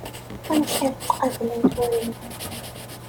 Amek ara tt-qablent wallen.